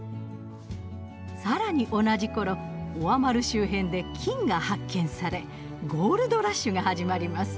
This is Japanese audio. さらに同じころオアマル周辺で金が発見されゴールドラッシュが始まります。